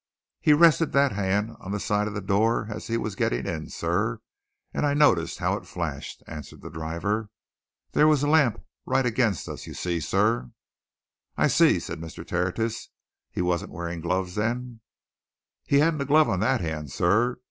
"He rested that hand on the side of the door as he was getting in, sir, and I noticed how it flashed," answered the driver. "There was a lamp right against us, you see, sir." "I see," said Mr. Tertius. "He wasn't wearing gloves, then?" "He hadn't a glove on that hand, sir.